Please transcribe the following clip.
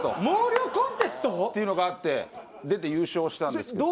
毛量コンテスト？っていうのがあって出て優勝したんです。